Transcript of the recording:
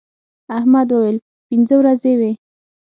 احمد وويل: پینځه ورځې وې.